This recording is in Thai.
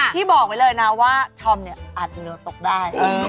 ที่บอกไว้เลยนะว่าธอมเนี่ยอัดเหงื่อตกได้